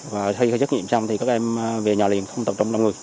và khi xét nghiệm xong thì các em về nhà liền không tập trong đồng người